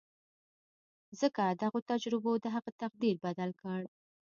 ځکه دغو تجربو د هغه تقدير بدل کړ.